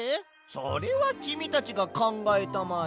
それはきみたちがかんがえたまえ。